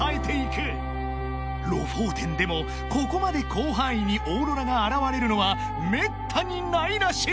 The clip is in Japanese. ［ロフォーテンでもここまで広範囲にオーロラが現れるのはめったにないらしい］